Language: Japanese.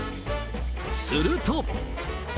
すると。